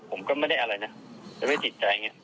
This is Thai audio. ผมก็ไม่ได้อะไรนะจะไม่ติดใจ